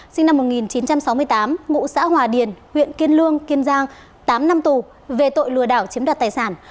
sinh năm một nghìn chín trăm sáu mươi tám ngụ xã hòa điền huyện kiên lương kiên giang tám năm tù về tội lừa đảo chiếm đoạt tài sản